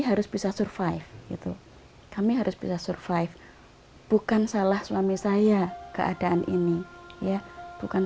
harus bisa survive gitu kami harus bisa survive bukan salah suami saya keadaan ini ya bukan